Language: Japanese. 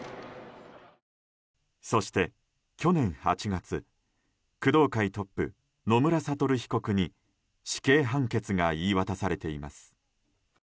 そして去年８月、工藤会トップ野村悟被告に死刑判決が言い渡されています。